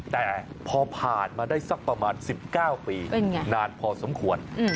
แต่พอผ่านมาได้สักประมาณ๑๙ปีนานพอสมควร